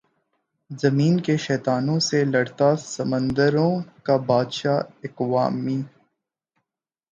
زمین کے شیطانوں سے لڑتا سمندروں کا بادشاہ ایکوامین